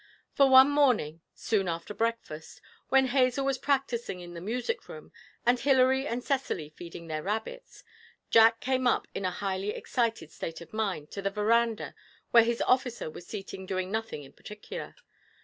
For one morning, soon after breakfast, when Hazel was practising in the music room, and Hilary and Cecily feeding their rabbits, Jack came up in a highly excited state of mind to the verandah where his officer was seated doing nothing in particular.